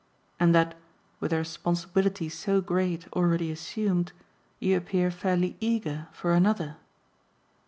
And that, with a responsibility so great already assumed, you appear fairly eager for another